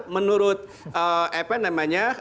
menurut epen namanya